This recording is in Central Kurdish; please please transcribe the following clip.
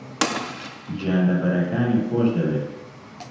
گیانلەبەرەکانی خۆش دەوێت.